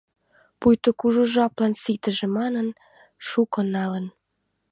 Пуйто кужу жаплан ситыже манын, шуко налын.